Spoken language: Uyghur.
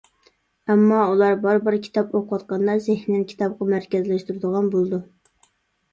ئەمما ئۇلار بارا-بارا كىتاب ئوقۇۋاتقاندا زېھنىنى كىتابقا مەركەزلەشتۈرىدىغان بولىدۇ.